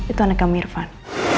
itu anaknya mirvan